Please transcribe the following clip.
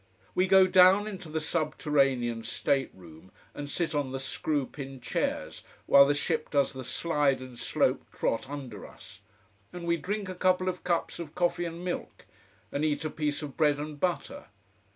We go down into the subterranean state room and sit on the screw pin chairs, while the ship does the slide and slope trot under us, and we drink a couple of cups of coffee and milk, and eat a piece of bread and butter.